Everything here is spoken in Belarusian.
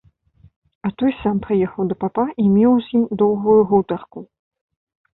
А той сам прыехаў да папа і меў з ім доўгую гутарку.